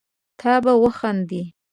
ته به وخاندي